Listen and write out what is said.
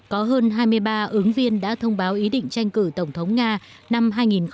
có hơn hai mươi ba ứng viên đã thông báo ý định tranh cử tổng thống nga năm hai nghìn một mươi chín